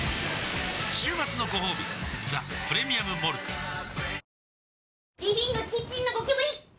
週末のごほうび「ザ・プレミアム・モルツ」わぁ！